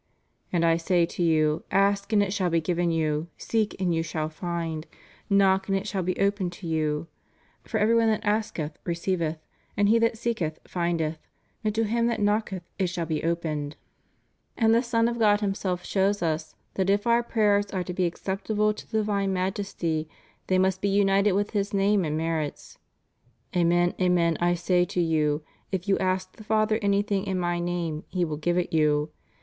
And I say to you, Ask and it shall he given you; seek and you shall find; knock and it shall be opened to you; for every one that asketh, receiveth, and he that seeketh, findeth: and to him thai knocketh it shall be opened.* And ' ChryB. Horn. 30 in Gen. » 1 Cor. i. 30. ' Luke xi. 9, 10. TO THE ENGLISH PEOPLE. 343 the Son of God Himself shows us that if our prayers are to be acceptable to the divine Majesty they must be united ^^^th His name and merits. Amen, amen, I say to you if you ask the Father anything in My name, He v)Ul give it you.